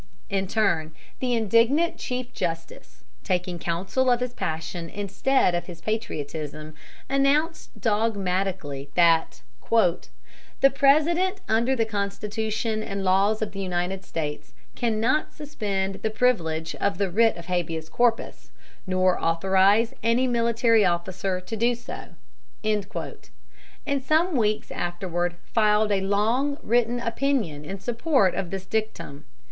In turn, the indignant chief justice, taking counsel of his passion instead of his patriotism, announced dogmatically that "the President, under the Constitution and laws of the United States, cannot suspend the privilege of the writ of habeas corpus, nor authorize any military officer to do so"; and some weeks afterward filed a long written opinion in support of this dictum.